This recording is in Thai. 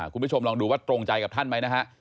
คุณผู้ชมลองดูว่าตรงใจกับท่านไหมนะฮะ